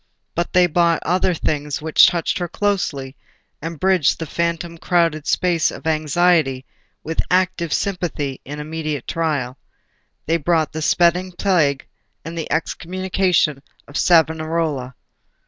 But they brought other things which touched her closely, and bridged the phantom crowded space of anxiety with active sympathy in immediate trial. They brought the spreading Plague and the Excommunication of Savonarola.